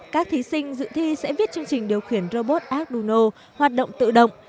các thí sinh dự thi sẽ viết chương trình điều khiển robot aguno hoạt động tự động